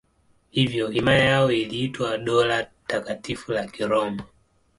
Hivyo himaya yao iliitwa Dola Takatifu la Kiroma.